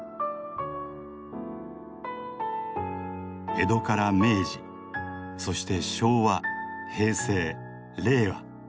江戸から明治そして昭和平成令和。